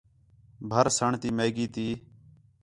بھرسݨ تی میگی تی